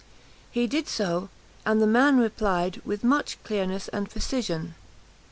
He did so, and the man replied with much clearness and precision. M.